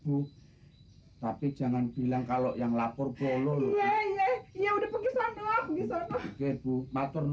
bu tapi jangan bilang kalau yang lapor bolol ya udah pergi sana oke bu mato nguon bu